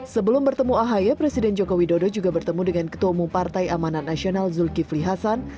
sebelum bertemu ahy presiden joko widodo juga bertemu dengan ketua umum partai amanat nasional zulkifli hasan